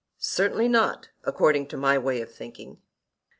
Certainly not, according to my way of thinking.